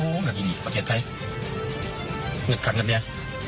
โอ้ยเหนือดดีดีประเทศไทยเหนือดคักเหนือดเนี้ย